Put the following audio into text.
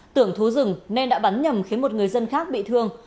tưởng thú rừng nên đã bắn nhầm khiến một người dân khác bị thương